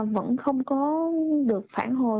vẫn không có được phản hồi